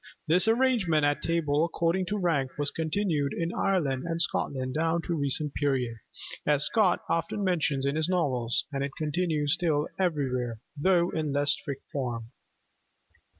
This arrangement at table according to rank was continued in Ireland and Scotland down to a recent period, as Scott often mentions in his novels; and it continues still everywhere, though in a less strict form.